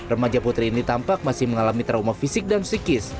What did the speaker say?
remaja putri ini tampak masih mengalami trauma fisik dan psikis